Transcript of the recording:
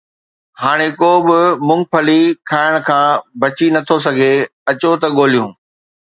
هاڻ ڪو به مونگ پھلي کائڻ کان بچي نٿو سگهي، اچو ته ڳولهيون